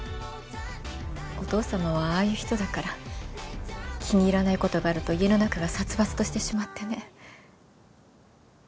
お父さまはああいう人だから気に入らないことがあると家の中が殺伐としてしまってね。